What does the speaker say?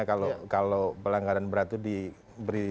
kalau pelanggaran berat itu diberi